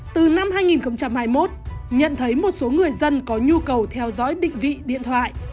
từ năm hai nghìn hai mươi một nhận thấy một số người dân có nhu cầu theo dõi định vị điện thoại